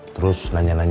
terus nanya nanya harganya